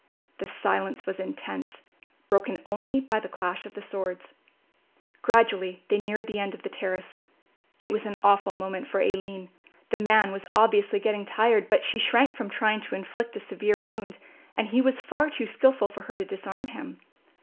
The silence was intense, broken only by the clash of the swords. Gradually they neared the end of the terrace. It was an awful moment for Aline. The man was obviously getting tired, but she shrank from trying to inflict a severe wound and he was far too skilful for her to disarm him.